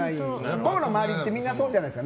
僕の周りってみんなそうじゃないですか。